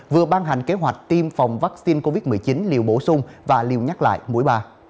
vừa ban hành kế hoạch tiêm phòng vaccine covid một mươi chín liều bổ sung và liều nhắc lại mũi ba